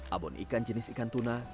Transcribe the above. abon ikan jenis ikan tuna